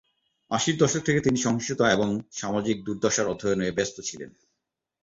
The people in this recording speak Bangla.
আশির দশক থেকে তিনি সহিংসতা এবং সামাজিক দুর্দশার অধ্যয়নে ব্যস্ত ছিলেন।